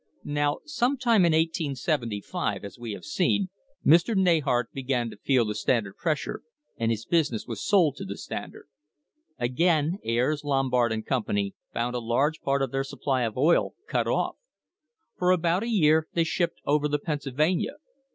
Now, some time in 1875, as we have seen, Mr. Neyhart began to feel the Standard pressure and his business was sold to the Standard. Again Ayres, Lombard and Company found a large part of their supply of oil cut off. For about a year they shipped over the Pennsylvania.